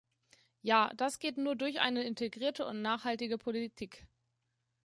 Ja, das geht nur durch eine integrierte und nachhaltige Politik!